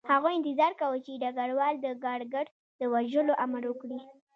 هغوی انتظار کاوه چې ډګروال د کارګر د وژلو امر وکړي